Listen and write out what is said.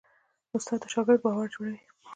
استاد د شاګرد باور جوړوي.